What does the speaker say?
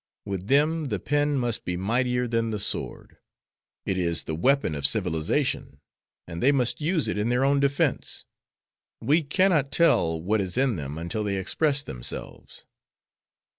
With them the pen must be mightier than the sword. It is the weapon of civilization, and they must use it in their own defense. We cannot tell what is in them until they express themselves."